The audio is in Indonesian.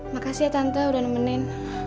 makasih ya tante udah nemenin